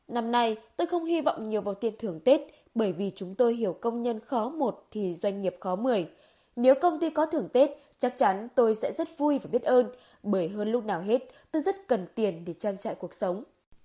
năm nay tôi không hy vọng nhiều vào tiền thưởng tết bởi vì chúng tôi hiểu công nhân khó một thì doanh nghiệp khó mười nếu công ty có thưởng tết chắc chắn tôi sẽ rất vui và biết ơn bởi hơn lúc nào hết tôi rất cần tiền để trang trải cuộc sống